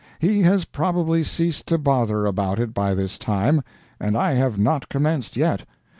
He has probably ceased to bother about it by this time and I have not commenced yet.